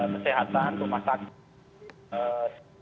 kesehatan rumah sakit